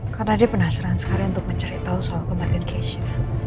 karena dia penasaran sekali untuk menceritakan soal kematian keisha